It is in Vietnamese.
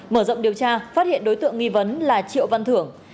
mở rộng điều tra phát hiện đối tượng nghi vấn là triệu văn thưởng